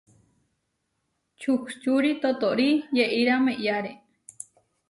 Čuhčúri totóri yeʼíra meʼyáre.